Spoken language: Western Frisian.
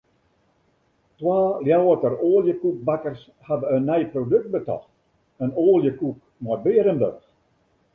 Twa Ljouwerter oaljekoekbakkers hawwe in nij produkt betocht: in oaljekoek mei bearenburch.